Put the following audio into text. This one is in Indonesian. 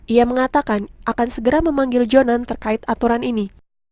ia mengatakan akan segera memanggil jonan terkait aturan ini